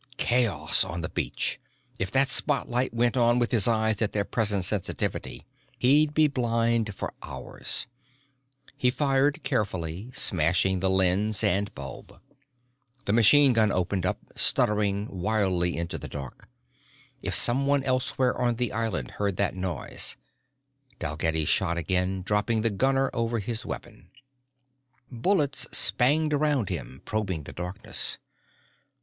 Chaos on the beach! If that spotlight went on with his eyes at their present sensitivity, he'd be blind for hours. He fired carefully, smashing lens and bulb. The machine gun opened up, stuttering, wildly into the dark. If someone elsewhere on the island heard that noise Dalgetty shot again, dropping the gunner over his weapon. Bullets spanged around him, probing the darkness.